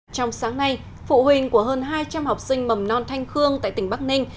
trong sáng nay phụ huynh của hơn hai trăm linh học sinh mầm non thanh khương tại tỉnh bắc ninh